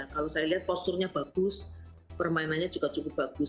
kalau saya lihat posturnya bagus permainannya juga cukup bagus